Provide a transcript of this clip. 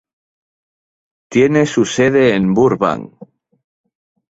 Tiene su sede en Burbank.